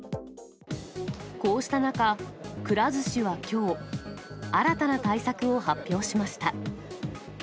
こうした中、くら寿司はきょう、新たな対策を発表しました。